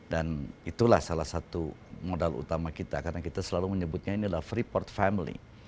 dan itulah salah satu modal utama kita karena kita selalu menyebutnya ini adalah freeport family